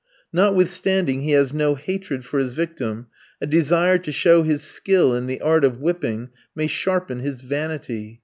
Notwithstanding he has no hatred for his victim, a desire to show his skill in the art of whipping may sharpen his vanity.